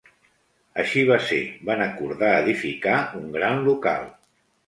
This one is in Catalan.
Així va ser, van acordar edificar un gran local.